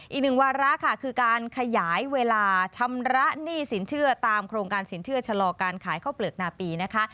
อีกหนึ่งวาระค่ะคือการขยายเวลาชำระหนี้สินเชื่อตามโครงการสินเชื่อชะลอการขายข้าวเปลือกนาปีนะคะ